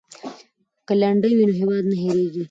که لنډۍ وي نو هیواد نه هیریږي.